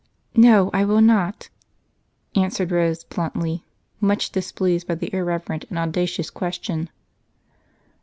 "No, I will not," answered Rose bluntly, much displeased by the irreverent and audacious question.